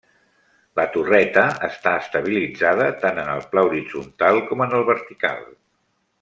La torreta està estabilitzada tant en el pla horitzontal com en el vertical.